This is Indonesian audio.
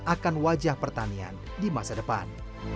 akan wajah pertanian di masa depan